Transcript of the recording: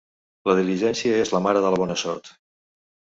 La diligència és la mare de la bona sort.